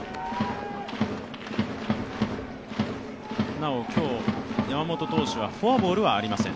なお今日、山本投手はフォアボールはありません。